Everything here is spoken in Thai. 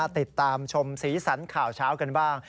ติดตามชมสีสันข่าวเช้ากันบ้าง